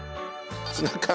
ツナ缶。